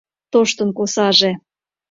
Тоштын косаже